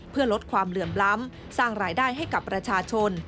เพื่อลดความเหลื่อมล้ำสร้างรายได้ให้กับประชาชน